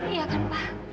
iya kan pak